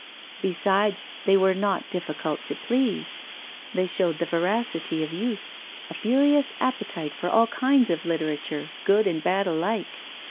Besides, they were not difficult to please; they showed the voracity of youth, a furious appetite for all kinds of literature, good and bad alike.